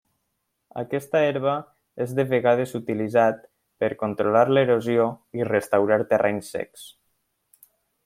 Aquesta herba és de vegades utilitzat per controlar l'erosió i restaurar terrenys secs.